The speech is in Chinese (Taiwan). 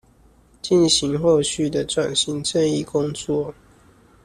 進行後續的轉型正義工作